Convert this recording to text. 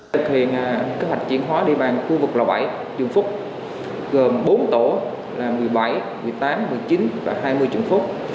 thực hiện kế hoạch chuyển hóa địa bàn khu vực lò bảy trường phúc gồm bốn tổ là một mươi bảy một mươi tám một mươi chín và hai mươi trường phúc